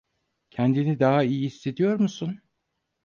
Kendini daha iyi hissediyor musun?